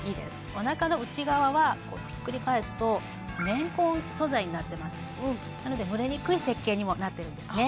おなかの内側はこうひっくり返すと綿混素材になってますなので蒸れにくい設計にもなってるんですね